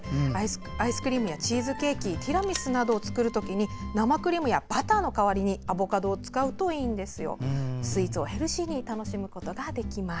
アイスクリームやチーズケーキティラミスなど作るときに生クリームやバターの代わりにアボカドを使うといいんですよ。